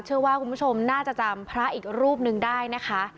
เชื่อว่าคุณผู้ชมน่าจะจำพระอีกรูปนึงได้นะคะ